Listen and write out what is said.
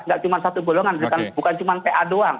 nggak cuma satu golongan bukan cuma pa doang